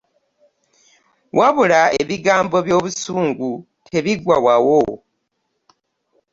W'abula ebigambo ebyobusungu tebigwawawo.